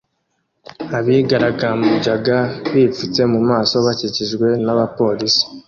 Abigaragambyaga bipfutse mu maso bakikijwe n'abapolisi